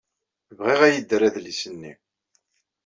Bɣiɣ ad iyi-d-terr adlis-nni.